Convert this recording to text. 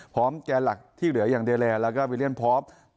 พร้อมแกร่หลักที่เหลืออย่างเดเลร์แล้วก็วิเลียนพอร์ฟ